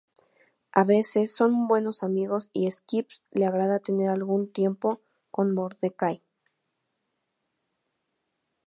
A veces son buenos amigos y Skips le agrada tener algún tiempo con Mordecai.